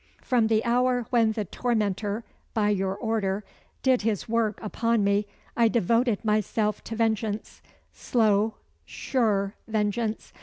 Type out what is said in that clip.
From the hour when the tormentor, by your order, did his work upon me, I devoted myself to vengeance slow, sure vengeance.